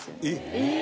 えっ？